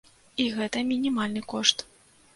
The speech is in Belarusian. І гэта мінімальны кошт.